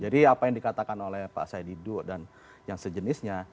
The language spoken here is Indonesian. jadi apa yang dikatakan oleh pak saididu dan yang sejenisnya